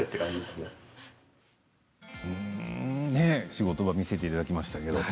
仕事場を見せていただきました。